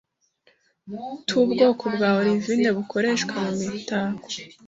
tubwoko bwa olivine bukoreshwa mumitako